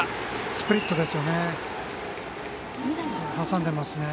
スプリットですよね。